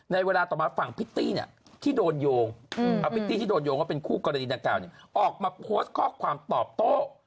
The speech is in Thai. เวลาต่อมาฝั่งพริตตี้เนี่ยที่โดนโยงเอาพริตตี้ที่โดนโยงว่าเป็นคู่กรณีดังกล่าวออกมาโพสต์ข้อความตอบโต้